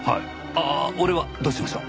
ああ俺はどうしましょう？